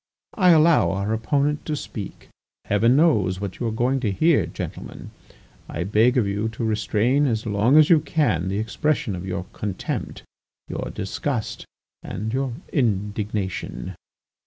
I allow our opponent to speak. Heaven knows what you are going to hear. Gentlemen, I beg of you to restrain as long as you can the expression of your contempt, your disgust, and your indignation."